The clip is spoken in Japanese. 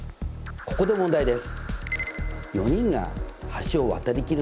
ここで問題です。